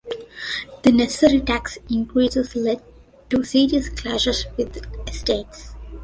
The necessary tax increases led to serious clashes with the estates.